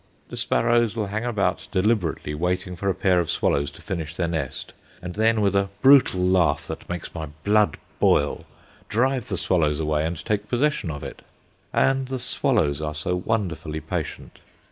The sparrows will hang about deliberately waiting for a pair of swallows to finish their nest, and then, with a brutal laugh that makes my blood boil, drive the swallows away and take possession of it. And the swallows are so wonderfully patient.